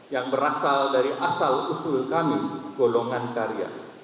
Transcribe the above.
yang berasal dari asal usul kami golongan karya